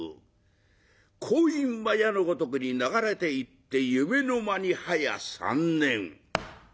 光陰は矢のごとくに流れていって夢の間にはや３年。